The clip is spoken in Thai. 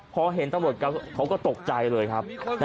พอเห็นตำรวจเขาก็ตกใจเลยครับ